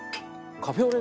カフェオレ。